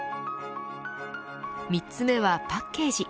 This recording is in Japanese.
３つ目はパッケージ。